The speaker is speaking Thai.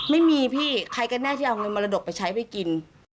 ไม่มีพี่ใครก็แน่ที่เอาเงินมรดกไปใช้ไปกิน